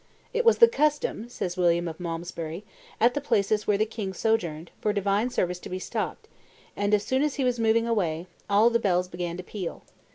"It was the custom," says William of Malmesbury, "at the places where the king sojourned, for divine service to be stopped; and, as soon as he was moving away, all the bells began to peal.